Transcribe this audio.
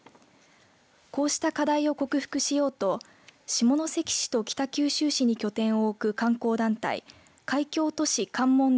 こうした課題を克服しようと下関市と北九州市に拠点を置く観光団体海峡都市関門